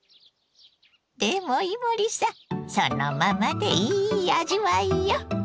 でも伊守さんそのままでいい味わいよ！